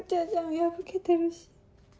破けてるし。